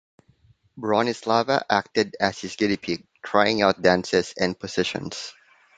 Bronislava acted as his guinea-pig, trying out dances and positions.